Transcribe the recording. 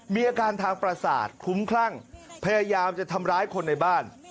มีอาการทางประสาทคุ้มคลั่งพยายามจะทำร้ายคนในบ้าน